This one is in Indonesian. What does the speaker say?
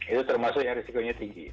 itu termasuk yang risikonya tinggi